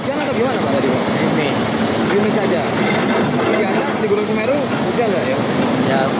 hujan nggak ya